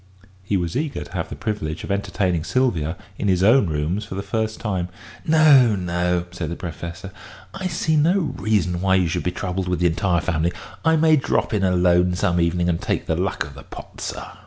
He was eager to have the privilege of entertaining Sylvia in his own rooms for the first time. "No, no," said the Professor; "I see no reason why you should be troubled with the entire family. I may drop in alone some evening and take the luck of the pot, sir."